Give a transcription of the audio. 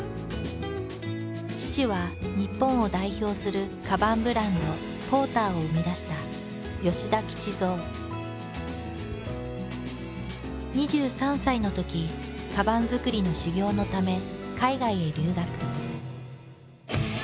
父は日本を代表するカバンブランド「ＰＯＲＴＥＲ」を生み出した２３歳のときカバン作りの修業のため海外へ留学。